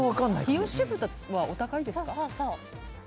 日吉豚はお高いですか？